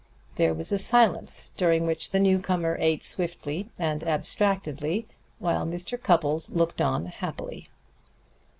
There was a silence, during which the newcomer ate swiftly and abstractedly, while Mr. Cupples looked on happily.